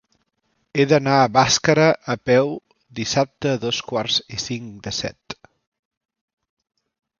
He d'anar a Bàscara a peu dissabte a dos quarts i cinc de set.